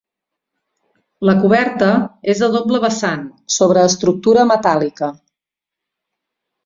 La coberta és a doble vessant sobre estructura metàl·lica.